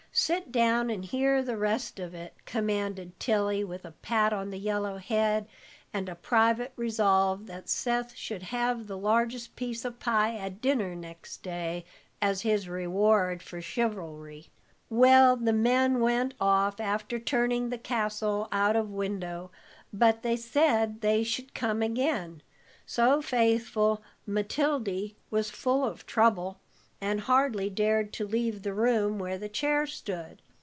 Sit down and hear the rest of it," commanded Tilly, with a pat on the yellow head, and a private resolve that Seth should have the largest piece of pie at dinner next day, as reward for his chivalry. "Well, the men went off after turning the castle out of window, but they said they should come again; so faithful Matildy was full of trouble, and hardly dared to leave the room where the chair stood.